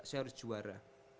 saya harus juara